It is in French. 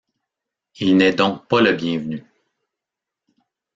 Il n'est donc pas le bienvenu.